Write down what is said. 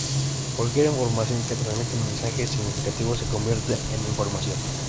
Cualquier información que transmite un mensaje significativo se convierte en información.